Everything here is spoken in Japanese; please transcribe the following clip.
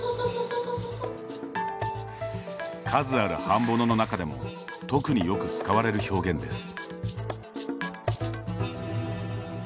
数あるハンボノの中でも特によく使われる表現です。